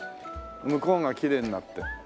向こうがきれいになって。